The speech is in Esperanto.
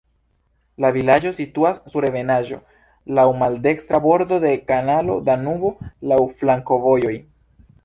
La vilaĝo situas sur ebenaĵo, laŭ maldekstra bordo de kanalo Danubo, laŭ flankovojoj.